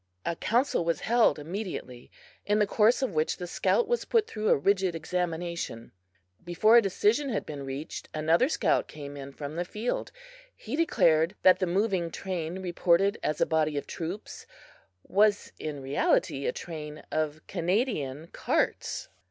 A council was held immediately, in the course of which the scout was put through a rigid examination. Before a decision had been reached, another scout came in from the field. He declared that the moving train reported as a body of troops was in reality a train of Canadian carts.